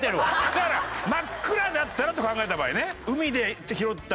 だから真っ暗だったらと考えた場合ね。